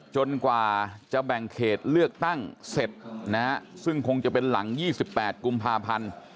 กว่าจะแบ่งเขตเลือกตั้งเสร็จนะฮะซึ่งคงจะเป็นหลัง๒๘กุมภาพันธ์